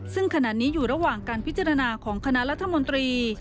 ซึ่งขณะนี้อยู่ระหว่างการพิจารณาของคณะรัฐมนตรี